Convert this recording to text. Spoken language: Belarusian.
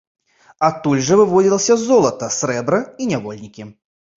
Адтуль жа вывозілася золата, срэбра і нявольнікі.